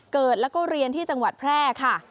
เกิดแล้วก็เรียนที่จังหวัดแพร่ค่ะ